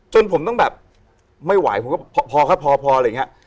จนผมต้องแบบไม่ไหวผมก็พอครับพออะไรอย่างนี้